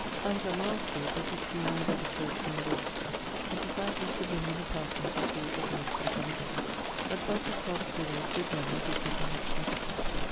I was at Malmesbury but did see the church nor register but desired Mr. Binnion the parson to doe against I come againe; but Francis Hobbes' widow's good memory did give me much satisfaction.